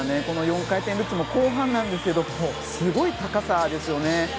この４回転ルッツも後半なんですけどすごい高さですよね。